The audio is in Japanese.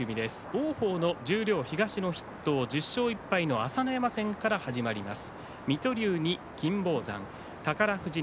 王鵬、東の筆頭１０勝１敗の朝乃山戦から始まります。